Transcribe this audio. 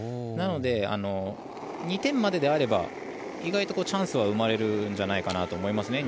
なので、２点までであれば意外とチャンスは生まれるんじゃないかと思います。